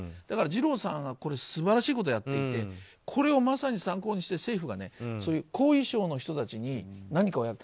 だから、二郎さんは素晴らしいことをやっていてこれをまさに参考にして政府が後遺症の人たちに何かを。